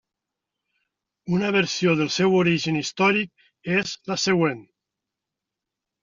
Una versió del seu origen històric és la següent.